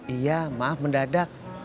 iya maaf mendadak